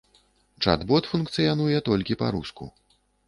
Чат-бот функцыянуе толькі па-руску.